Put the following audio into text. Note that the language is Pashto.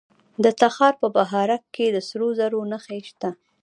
د تخار په بهارک کې د سرو زرو نښې شته.